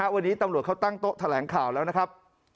วันนี้ตำรวจเขาตั้งโต๊ะแถลงข่าวแล้วนะครับ